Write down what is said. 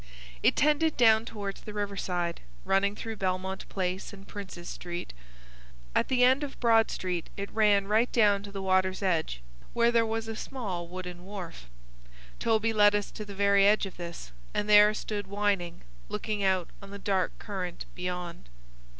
It tended down towards the river side, running through Belmont Place and Prince's Street. At the end of Broad Street it ran right down to the water's edge, where there was a small wooden wharf. Toby led us to the very edge of this, and there stood whining, looking out on the dark current beyond.